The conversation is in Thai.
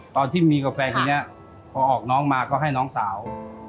ตอนที่มีกับแฟนคนนี้พอออกน้องมาก็ให้น้องสาว